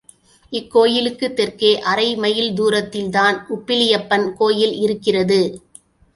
இக்கோயிலுக்குத் தெற்கே அரை மைல் தூரத்தில் தான் உப்பிலியப்பன் கோயில் இருக்கிறது.